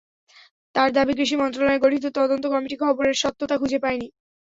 তাঁর দাবি, কৃষি মন্ত্রণালয় গঠিত তদন্ত কমিটি খবরের সত্যতা খুঁজে পায়নি।